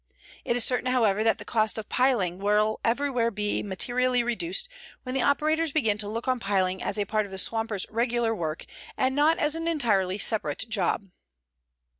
It is certain, however, that the cost of piling will everywhere be materially reduced when the operators begin to look on piling as part of the swampers' regular work and not as an entirely separate job.